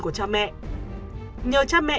của cha mẹ nhờ cha mẹ